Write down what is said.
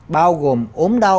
bao gồm ốm đau